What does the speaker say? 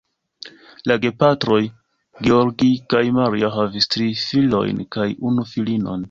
La gepatroj (Georgij kaj Maria) havis tri filojn kaj unu filinon.